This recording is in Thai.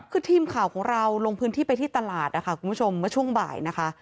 คือทีมข่าวของเราลงพื้นที่ไปที่ตลาดนะคะคุณผู้ชมเมื่อช่วงบ่ายนะคะ